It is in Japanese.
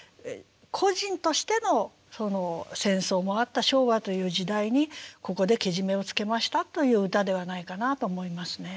個人としての戦争もあった昭和という時代にここでけじめをつけましたという歌ではないかなと思いますね。